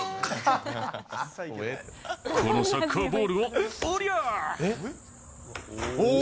このサッカーボールを、おりゃー。